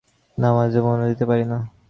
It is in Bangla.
নামাজে মনও দিতে পারি না।